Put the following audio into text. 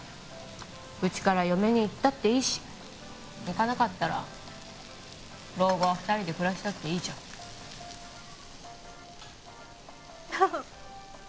うちから嫁に行ったっていいし行かなかったら老後は２人で暮らしたっていいじゃんああ